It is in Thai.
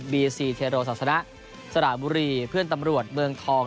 ีซีเทโรศาสนาสระบุรีเพื่อนตำรวจเมืองทอง